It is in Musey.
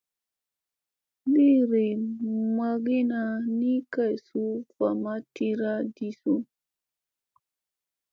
Liri magina ni ka suu va ma tira ɗi suu.